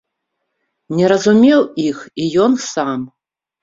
Не разумеў іх і ён сам.